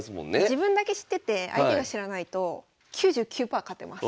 自分だけ知ってて相手が知らないと９９パー勝てます。